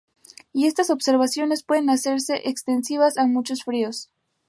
Y estas observaciones pueden hacerse extensivas a muchos ríos.